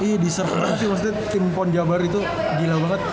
ini diserta sih maksudnya tim pon jabar itu gila banget